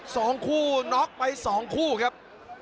สองคู่น็อกไปสองคู่ครับ